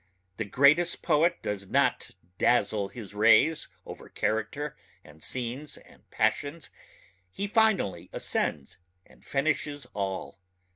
The greatest poet does not only dazzle his rays over character and scenes and passions ... he finally ascends and finishes all